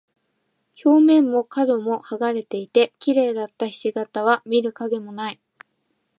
表面も角も剥がれていて、綺麗だった菱形は見る影もない。